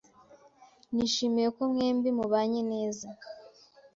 Nishimiye ko mwembi mubanye neza.